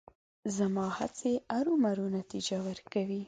زما هڅې ارومرو نتیجه ورکوي.